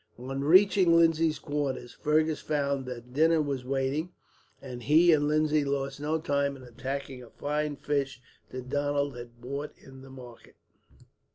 On reaching Lindsay's quarters Fergus found that dinner was waiting, and he and Lindsay lost no time in attacking a fine fish that Donald had bought in the market.